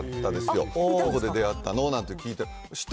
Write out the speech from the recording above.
どこで出会ったの？なんて聞いた。